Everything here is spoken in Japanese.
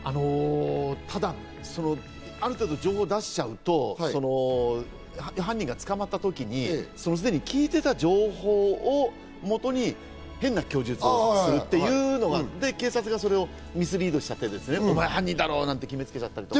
ただ、ある程度情報を出しちゃうと犯人が捕まったときにすでに聞いていた情報をもとに変な供述をするというのはあって、警察がミスリードしちゃって、犯人だろうなんて決め付けちゃったりしたら。